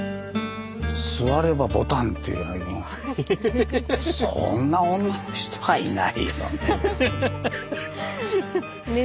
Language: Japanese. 「座れば牡丹」っていうあれもそんな女の人はいないよね。